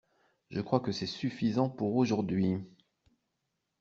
Je crois que c’est suffisant pour aujourd’hui.